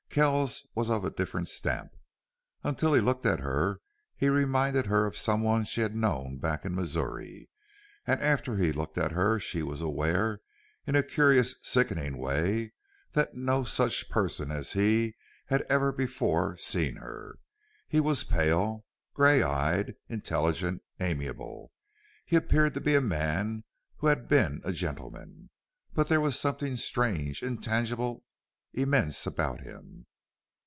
Kells was of a different stamp. Until he looked at her he reminded her of someone she had known back in Missouri; after he looked at her she was aware, in a curious, sickening way, that no such person as he had ever before seen her. He was pale, gray eyed, intelligent, amiable. He appeared to be a man who had been a gentleman. But there was something strange, intangible, immense about him.